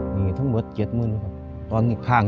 หนีทั้งเบิร์ท๗๐๐๐๐ค่ะ